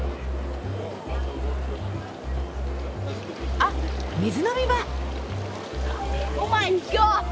あっ水飲み場！